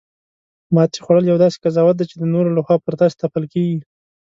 ماتې خوړل یو داسې قضاوت دی چې د نورو لخوا پر تاسې تپل کیږي